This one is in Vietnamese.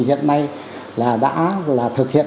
hiện nay đã thực hiện